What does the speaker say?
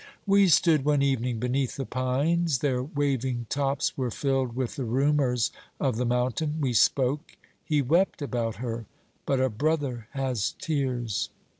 We stood one evening beneath the pines ; their waving tops were filled with the rumours of the mountain ; we spoke, he wept about her ! But a brother has tears.